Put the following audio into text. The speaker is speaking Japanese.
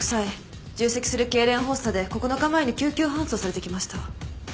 重積するけいれん発作で９日前に救急搬送されてきました。